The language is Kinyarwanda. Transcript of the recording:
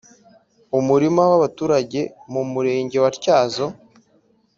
umurima w abaturage mu murenge wa tyazo